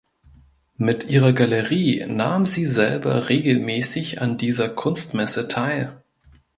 Mit ihrer Galerie nahm sie selber regelmässig an dieser Kunstmesse teil.